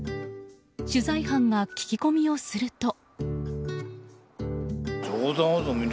取材班が聞き込みをすると。